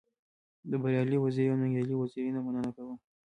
د بريالي وزيري او ننګيالي وزيري نه مننه کوم.